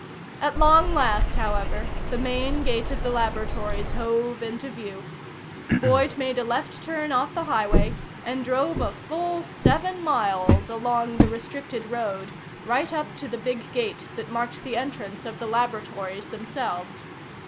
At long last, however, the main gate of the laboratories hove into view. Boyd made a left turn off the highway and drove a full seven miles along the restricted road, right up to the big gate that marked the entrance of the laboratories themselves.